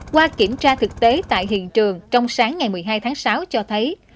qua kiểm tra thực tế tại hiện trường trong sáng ngày một mươi hai tháng sáu cho thấy